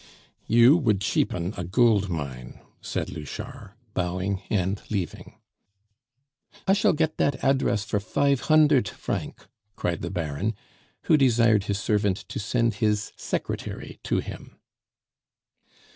"You would cheapen a gold mine!" said Louchard, bowing and leaving. "I shall get dat address for five hundert franc!" cried the Baron, who desired his servant to send his secretary to him.